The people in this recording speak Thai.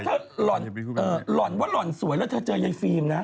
เธอว่าเธอหล่อนสวยแล้วเธอเจอเย็นไอฟิล์มนะ